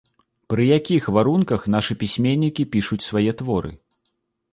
Пры якіх варунках нашы пісьменнікі пішуць свае творы?